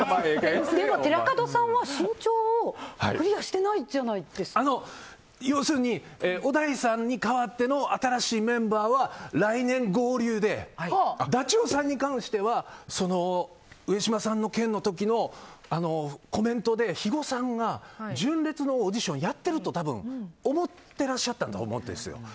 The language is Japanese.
でも、寺門さんは身長をクリアしてないじゃないですか。要するに、小田井さんに代わっての新しいメンバーは来年合流でダチョウさんに関しては上島さんの件の時のコメントで肥後さんが、純烈のオーディションをやっていると多分、思ってらっしゃったと思うんですよ。